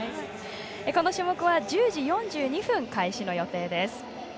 この種目は１０時４２分開始予定です。